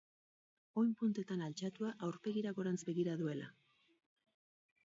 Oin puntetan altxatua, aurpegia gorantz begira duela.